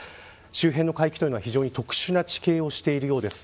周辺の海域は非常に特殊な地形をしているようです。